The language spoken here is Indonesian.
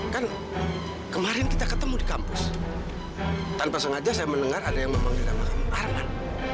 kan kemarin kita ketemu di kampus tanpa sengaja saya mendengar ada yang memanggil nama kamu arman